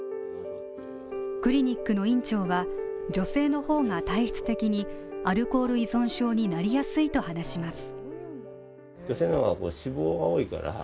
クリニックの院長は、女性の方が体質的にアルコール依存症になりやすいと話します。